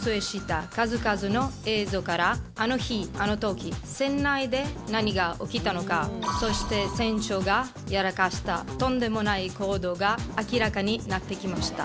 からあの日あの時船内で何が起きたのかそして船長がやらかしたとんでもない行動が明らかになってきました。